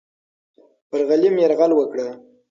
پر غلیم یرغل وکړه.